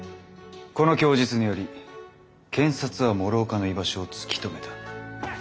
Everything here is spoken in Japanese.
この供述により検察は諸岡の居場所を突き止めた。